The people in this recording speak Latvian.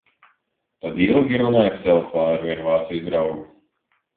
Tad ilgi runāju pa telefonu ar vienu Vācijas draugu.